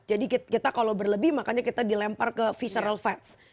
jadi kita kalau berlebih makanya kita dilempar ke visceral fats